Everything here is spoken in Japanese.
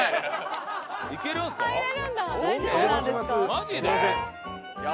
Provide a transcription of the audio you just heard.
マジで？